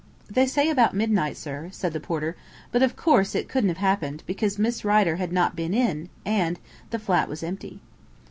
"They say about midnight, sir," said the porter; "but, of course, it couldn't have happened, because Miss Rider had not been in, and the flat was empty."